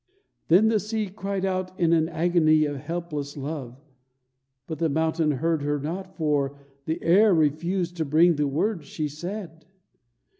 Then the sea cried out in an agony of helpless love. But the mountain heard her not, for the air refused to bring the words she said.